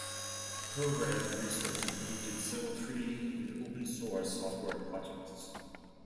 The program's research includes several free and open-source software projects.